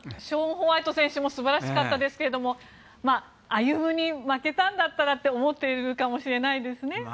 ショーン・ホワイト選手も素晴らしかったですけれどもアユムに負けたんだったらと思っているかもしれないですね。